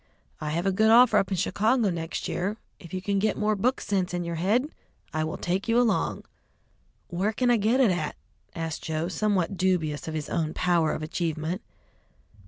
I have a good offer up in Chicago next year; if you can get more book sense in your head, I will take you along." "Where can I get it at?" asked Joe, somewhat dubious of his own power of achievement.